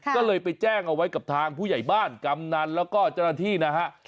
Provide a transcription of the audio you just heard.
ก็เลยไปแจ้งเอาไว้กับทางผู้ใหญ่บ้านกำนันแล้วก็เจ้าหน้าที่นะฮะ